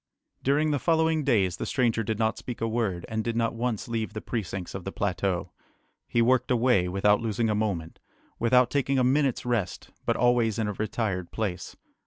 During the following days the stranger did not speak a word, and did not once leave the precincts of the plateau. He worked away, without losing a moment, without taking a minute's rest, but always in a retired place.